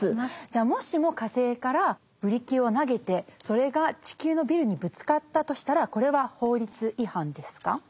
もしも火星からブリキを投げてそれが地球のビルにぶつかったとしたらこれは法律違反ですか？